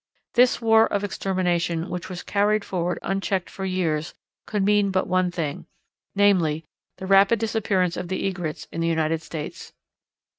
This war of extermination which was carried forward unchecked for years could mean but one thing, namely, the rapid disappearance of the Egrets in the United States.